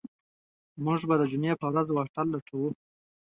موږ به د جمعې په ورځ هوټل لټوو.